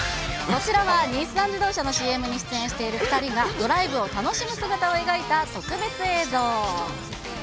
こちらは日産自動車のＣＭに出演している２人がドライブを楽しむ姿を描いた特別映像。